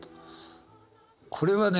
これはね